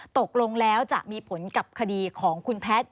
ตกลงแล้วจะมีผลกับคดีของคุณแพทย์